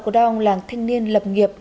của đoàn làng thanh niên lập nghiệp